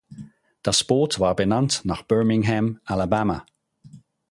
Das Boot war benannt nach Birmingham, Alabama.